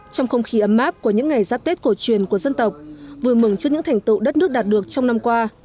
trong không khí ấm áp của những ngày giáp tết cổ truyền của dân tộc vui mừng trước những thành tựu đất nước đạt được trong năm qua